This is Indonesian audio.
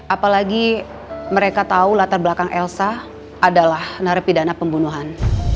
apalagi mereka tahu latar belakang elsa adalah narapidana pembunuhan